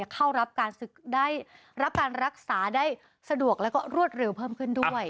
เข้ารับการรักษาได้สะดวกแล้วก็รวดเร็วเพิ่มขึ้นด้วย